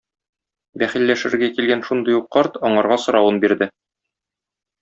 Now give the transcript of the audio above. Бәхилләшергә килгән шундый ук карт аңарга соравын бирде.